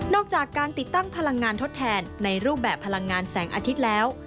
จากการติดตั้งพลังงานทดแทนในรูปแบบพลังงานแสงอาทิตย์แล้ว